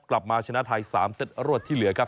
กลับมาชนะไทย๓เซตรวดที่เหลือครับ